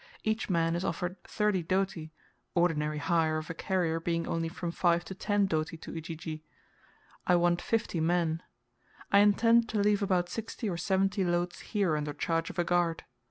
Each man is offered 30 doti, ordinary hire of a carrier being only from 5 to 10 doti to Ujiji. I want fifty men. I intend to leave about sixty or seventy loads here under charge of a guard.